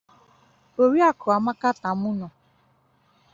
Oriakụ Amaka Tamụnọ